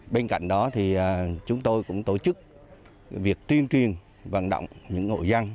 bên cạnh đó thì chúng tôi cũng tổ chức việc tuyên truyền vận động những hộ dân